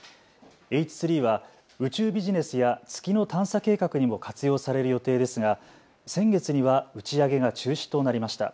Ｈ３は宇宙ビジネスや月の探査計画にも活用される予定ですが先月には打ち上げが中止となりました。